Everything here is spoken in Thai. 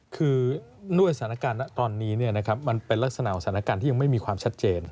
คือด้วยสถานการณ์ตอนนี้มันเป็นลักษณะสถานการณ์ที่ยังไม่มีความชัดเจน